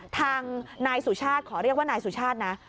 ทางนายสุชาติขอเรียกว่านายสุชาตินะ